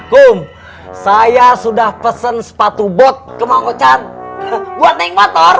kum saya sudah pesen sepatu bot kemangkocan buat naik motor